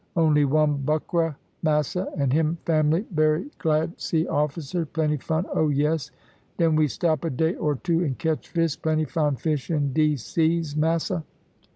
Only one buckra, massa, and him family berry glad see officers; plenty fun, oh yes! Den we stop a day or two and catch fish. Plenty fine fish in dees seas, massa.